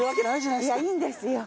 いやいいんですよ